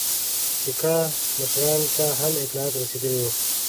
سیکه مشرانو ته هم اطلاع رسېدلې وه.